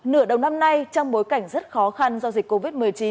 nửa đầu năm nay trong bối cảnh rất khó khăn do dịch covid một mươi chín